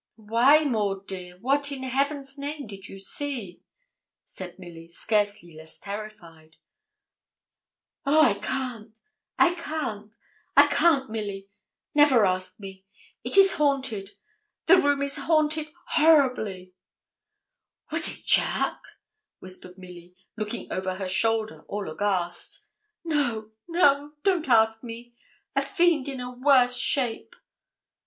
'Why, Maud dear, what, in Heaven's name, did you see?' said Milly, scarcely less terrified. 'Oh, I can't; I can't; I can't, Milly. Never ask me. It is haunted. The room is haunted horribly.' 'Was it Charke?' whispered Milly, looking over her shoulder, all aghast. 'No, no don't ask me; a fiend in a worse shape.'